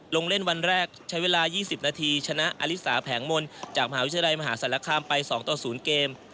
ลงเล่นวันแรกใช้เวลา๒๐นาทีชนะอลิสาแผงมนต์จากมหาวิทยาลัยมหาศาลคามไป๒ต่อ๐เกม